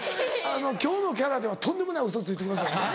今日のキャラではとんでもないウソついてくださいね。